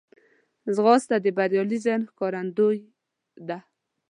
ځغاسته د بریالي ذهن ښکارندوی ده